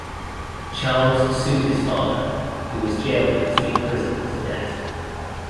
Charles sued his father, who was jailed in Fleet Prison for debt.